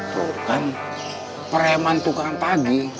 tuh kan pereman tukang pagi